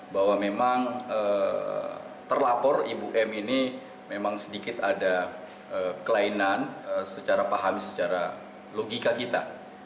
bahwa memang terlapor ibu m ini memang sedikit ada kelainan secara paham secara logika kita